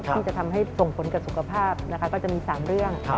ซึ่งจะทำให้ส่งผลกับสุขภาพนะคะก็จะมี๓เรื่อง